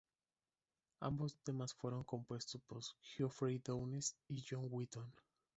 Ambos temas fueron compuestos por Geoffrey Downes y John Wetton